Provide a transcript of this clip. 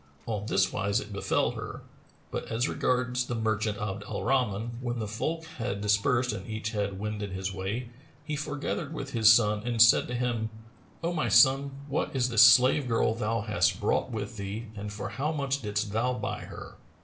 On this wise it befel her; but as regards the merchant Abd al Rahman, when the folk had dispersed and each had wended his way, he foregathered with his son and said to him, "O my son, what is this slave girl thou hast brought with thee and for how much didst thou buy her?"